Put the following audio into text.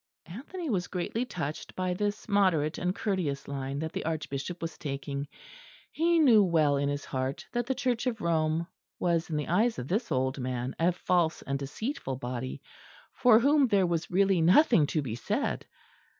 Anthony was greatly touched by this moderate and courteous line that the Archbishop was taking. He knew well in his heart that the Church of Rome was, in the eyes of this old man, a false and deceitful body, for whom there was really nothing to be said.